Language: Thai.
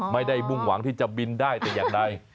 มุ่งหวังที่จะบินได้แต่อย่างใด